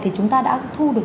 thì chúng ta đã thu được